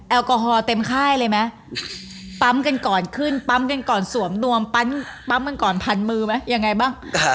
แอลกอฮอลเต็มค่ายเลยไหมปั๊มกันก่อนขึ้นปั๊มกันก่อนสวมนวมปั๊มกันก่อนพันมือไหมยังไงบ้าง